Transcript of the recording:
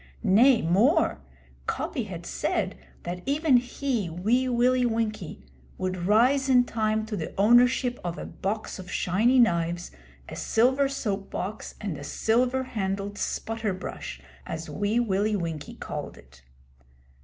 Nay, more Coppy had said that even he, Wee Willie Winkie, would rise in time to the ownership of a box of shiny knives, a silver soap box, and a silver handled 'sputter brush,' as Wee Willie Winkie called it.